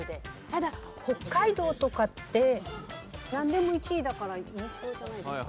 ただ北海道とかってなんでも１位だから言いそうじゃないですか？